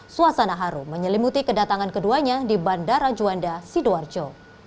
suasana harum menyelimuti kedatangan keduanya di bandara juanda sidoarjo